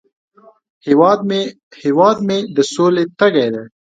هیواد مې د سولې تږی دی